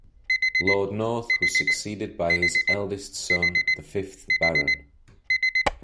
Lord North was succeeded by his eldest son, the fifth Baron.